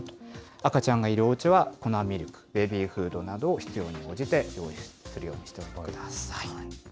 赤ちゃんがいるおうちは、粉ミルク、ベビーフードなどを必要に応じて用意するようにしてください。